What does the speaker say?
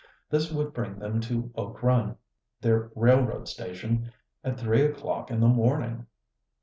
This would bring them to Oak Run, their railroad station, at three o'clock in the morning.